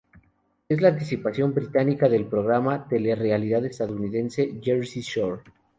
Es la adaptación británica del programa de telerrealidad estadounidense "Jersey Shore".